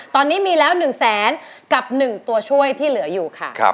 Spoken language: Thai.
ตอนนี้มีแล้ว๑แสนกับ๑ตัวช่วยที่เหลืออยู่ค่ะ